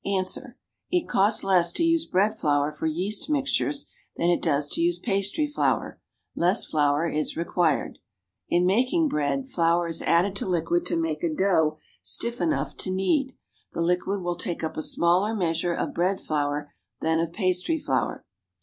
Ans. It costs less to use bread flour for yeast mixtures than it does to use pastry flour; less flour is required. In making bread, flour is added to liquid to make a dough stift' enough to knead; the liquid will take up a smaller measure of bread flour than of pastry flour.